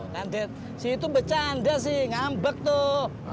nah dad si itu bercanda sih ngambek tuh